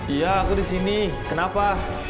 iya aku disini kenapa